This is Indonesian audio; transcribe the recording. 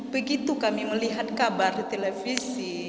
begitu kami melihat kabar di televisi